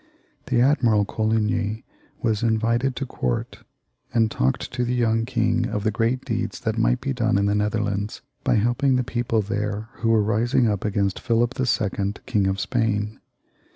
The admiral, Coligny, was invited to court, and talked to the young king of the great deeds that might be done in the Netherlands by helping the people there who were rising up against PhiHp II., King of Spain.